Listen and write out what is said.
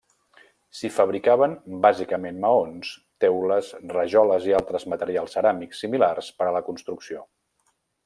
S'hi fabricaven bàsicament maons, teules, rajoles i altres materials ceràmics similars per a la construcció.